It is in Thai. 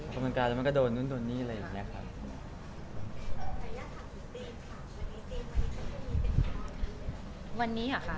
แล้วมาเขาโดนนู่นนี้เลย